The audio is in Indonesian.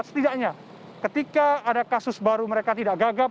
setidaknya ketika ada kasus baru mereka tidak gagap